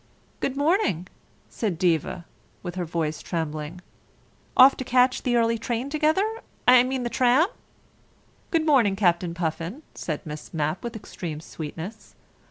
"Good morning," said Diva, with her voice trembling. "Off to catch the early train together I mean the tram." "Good morning, Captain Puffin," said Miss Mapp with extreme sweetness.